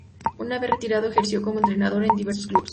Una vez retirado ejerció como entrenador en diversos clubes.